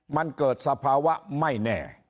มันเกิดสภาวะไม่แน่